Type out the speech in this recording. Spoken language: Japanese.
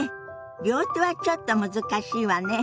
両手はちょっと難しいわね。